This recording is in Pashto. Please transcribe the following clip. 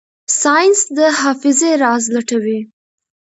ساینس د حافظې راز لټوي.